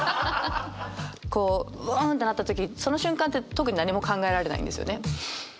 こうウォンってなった時その瞬間って特に何も考えられないんですよね。